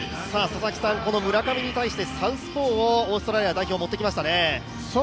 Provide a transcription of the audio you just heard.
佐々木さん、この村上に対してサウスポーをオーストラリア代表がもってきましたね。